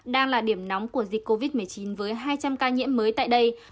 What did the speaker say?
đang là điểm nóng của dịch covid một mươi chín với hai trăm linh ca nhiễm mới tại đây